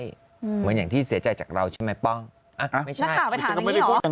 เหมือนอย่างที่เสียใจจากเราใช่ไหมป้องนักข่าวไปถามอย่างนี้หรอไม่ใช่